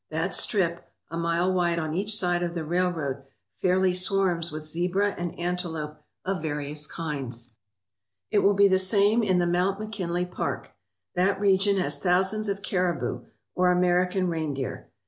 That strip, a mile wide on each side of the railroad, fairly swarms with zebra and antelope of various kinds. It will be the same in the Mount McKinley Park. That region has thousands of caribou, or American reindeer.